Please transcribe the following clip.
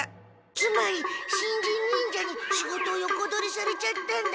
つまり新人忍者に仕事を横取りされちゃったんだ。